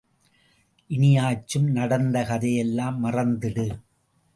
இனியாச்சும் நடந்த கதையையெல்லாம் மறந்திடு.